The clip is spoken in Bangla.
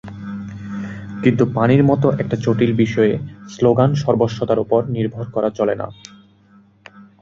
কিন্তু পানির মতো একটা জটিল বিষয়ে স্লোগানসর্বস্বতার ওপর নির্ভর করা চলে না।